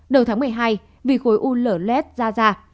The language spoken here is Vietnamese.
đầu tháng một mươi hai vì khối u lở lét ra